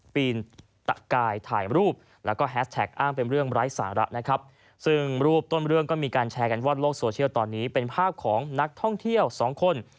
ปีนตะกายถ่ายรูปแล้วก็แฮสแท็กอ้างเป็นเรื่องไร้สาระนะครับซึ่งรูปต้นเรื่องก็มีการแชร์กันว่าโลกโซเชียลตอนนี้เป็นภาพของนักท่องเที่ยวสองคน